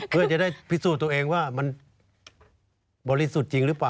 เพื่อจะได้พิสูจน์ตัวเองว่ามันบริสุทธิ์จริงหรือเปล่า